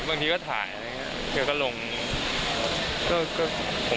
บางทีก็ถ่ายอะไรอย่างนี้แกก็ลง